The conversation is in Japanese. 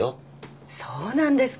そうなんですか。